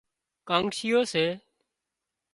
ڪانڳشيئو سي